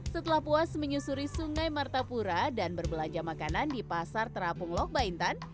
setelah puas menyusuri sungai martapura dan berbelanja makanan di pasar terapung lok baintan